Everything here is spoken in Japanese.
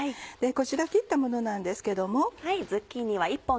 こちら切ったものなんですけども。